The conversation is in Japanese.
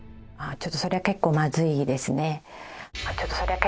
ちょっとそれは結構まずいですね。